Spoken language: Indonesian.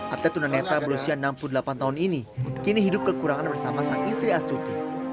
atlet tunanetra berusia enam puluh delapan tahun ini kini hidup kekurangan bersama sang istri astuti